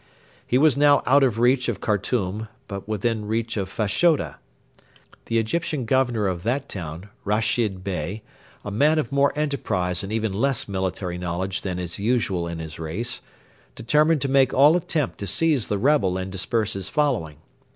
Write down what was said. He was now out of reach of Khartoum, but within reach of Fashoda. The Egyptian Governor of that town, Rashid Bey, a man of more enterprise and even less military knowledge than is usual in his race, determined to make all attempt to seize the rebel and disperse his following.